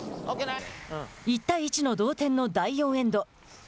１対１の同点の第４エンド。